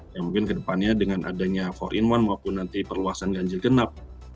ya mungkin kedepannya dengan adanya empat in satu maupun nanti perluasan ganjil genap